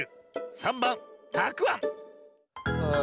３ばん「たくあん」。